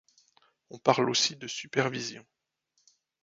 On parle aussi de supervision.